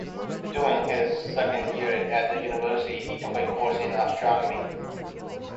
During his second year at the university he took a course in astronomy.